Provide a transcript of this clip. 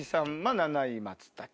「７位松茸」。